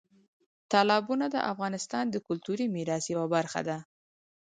تالابونه د افغانستان د کلتوري میراث یوه برخه ده.